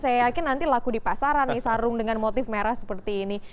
saya yakin nanti laku di pasaran nih sarung dengan motif merah seperti ini